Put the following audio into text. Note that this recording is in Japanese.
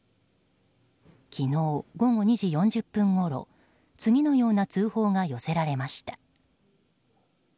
昨日午後２時４０分ごろ次のような通報が寄せられました。